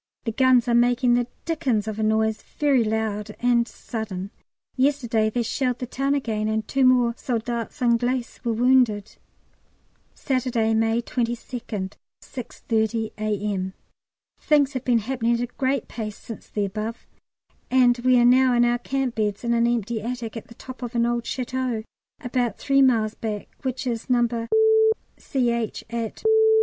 The guns are making the dickens of a noise, very loud and sudden. Yesterday they shelled the town again, and two more soldats anglais were wounded. Saturday, May 22nd, 6.30 A.M. Things have been happening at a great pace since the above, and we are now in our camp beds in an empty attic at the top of an old château about three miles back, which is No. C.H., at